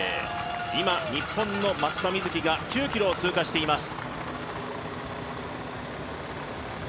今、日本の松田瑞生が９ｋｍを通過しています。